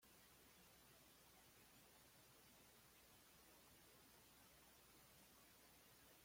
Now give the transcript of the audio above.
Ha sufrido un importante abandono, además de múltiples destrozos y expolios.